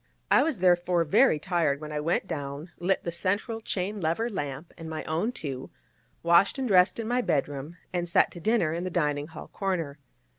I was therefore very tired when I went down, lit the central chain lever lamp and my own two, washed and dressed in my bedroom, and sat to dinner in the dining hall corner.